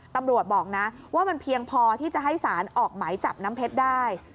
ตำรวจบอกนะว่ามันเพียงพอที่จะให้สารออกหมายจับน้ำเพชรได้